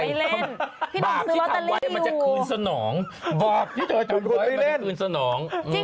บาปที่ทำไว้มันจะคืนสนองบาปที่เธอทำไว้มันจะคืนสนอง